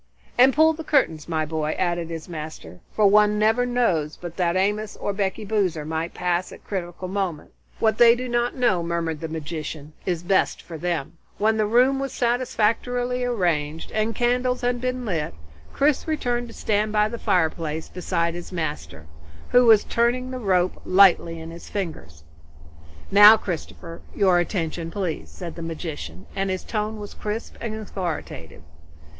"And pull the curtains, my boy," added his master, "for one never knows but that Amos or Becky Boozer might pass by at the crucial moment. What they do not know," murmured the magician, "is best for them." When the room was satisfactorily arranged, and candles had been lit, Chris returned to stand by the fireplace beside his master, who was turning the rope lightly in his fingers. "Now Christopher, your attention please," said the magician, and his tone was crisp and authoritative.